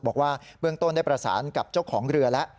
บอกว่าเบื้องต้นได้ประสานกับเจ้าของเรือแล้ว